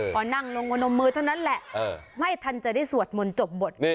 พอนั่งลงพนมมือเท่านั้นแหละไม่ทันจะได้สวดมนต์จบบท